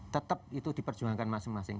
tetap itu diperjuangkan masing masing